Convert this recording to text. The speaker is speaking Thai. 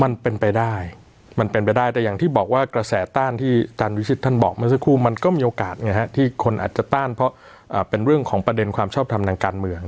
มันเป็นไปได้มันเป็นไปได้แต่อย่างที่บอกว่ากระแสต้านที่อาจารย์วิชิตท่านบอกเมื่อสักครู่มันก็มีโอกาสไงฮะที่คนอาจจะต้านเพราะเป็นเรื่องของประเด็นความชอบทำทางการเมือง